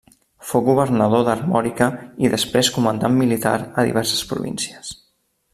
Fou governador d'Armòrica i després comandant militar a diverses províncies.